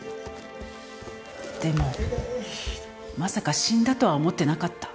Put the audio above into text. でもまさか死んだとは思ってなかった。